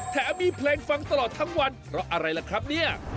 แถมมีเพลงฟังตลอดทั้งวันเพราะอะไรล่ะครับเนี่ย